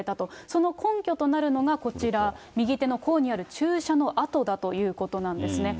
その根拠となるのがこちら、右手の甲にある注射の痕だということなんですね。